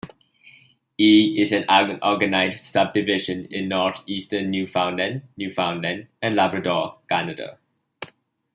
E is an unorganized subdivision in northeastern Newfoundland, Newfoundland and Labrador, Canada.